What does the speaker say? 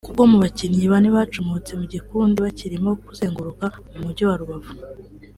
kuko mu bakinnyi bane bacomotse mu gikundi bakirimo kuzenguruka mu Mujyi wa Rubavu